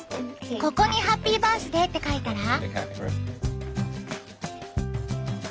ここにハッピーバースデーって書いたら？